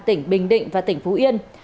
tỉnh bình định và tỉnh phú yên